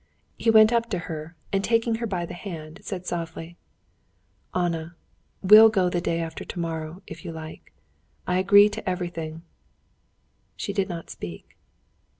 He went up to her, and taking her by the hand, said softly: "Anna, we'll go the day after tomorrow, if you like. I agree to everything." She did not speak.